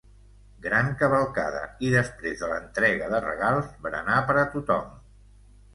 Gran Cavalcada i després de l'entrega de regals, berenar per a tothom.